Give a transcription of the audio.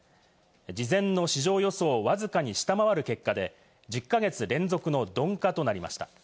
事前の市場予想をわずかに下回る結果で、１０か月連続の鈍化となりました。